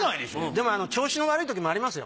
でも調子の悪いときもありますよ。